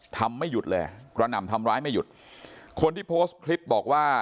ไม่หยุดเลยกระหน่ำทำร้ายไม่หยุดคนที่โพสต์คลิปบอกว่า